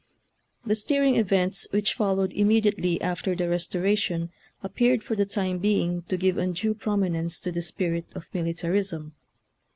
The stirring events which followed immediately after the Restoration appeared for the time being to give undue prominence to the spirit of militarism.